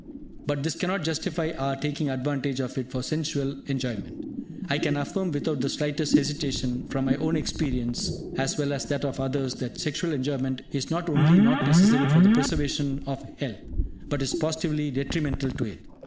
But this cannot justify our taking advantage of it for sensual enjoyment. I can affirm, without the slightest hesitation, from my own experience as well as that of others, that sexual enjoyment is not only not necessary for the preservation of health, but is positively detrimental to it.